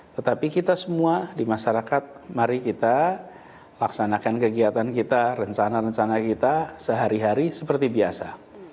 tetapi kita semua di masyarakat mari kita laksanakan kegiatan kita rencana rencana kita sehari hari seperti biasa